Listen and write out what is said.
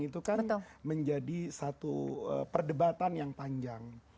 itu kan menjadi satu perdebatan yang panjang